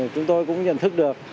chúng tôi cũng nhận thức được